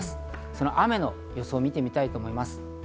その雨の予想を見てみたいと思います。